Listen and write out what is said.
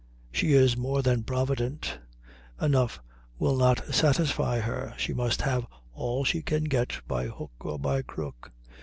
She is more than provident. Enough will not satisfy her; she must have all she can get by hook or by crook.